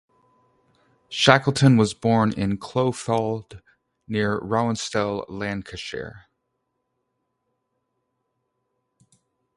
Shackleton was born in Cloughfold near Rawtenstall, Lancashire.